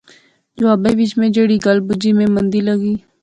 جوابے وچ میں جہیڑی گل بجی میں مندی لغی